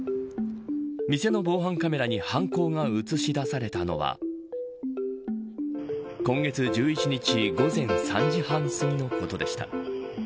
店の防犯カメラに犯行が映し出されたのは今月１１日午前３時半すぎのことでした。